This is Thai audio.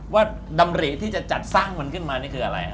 ดำริที่จะจัดสร้างมันขึ้นมานี่คืออะไร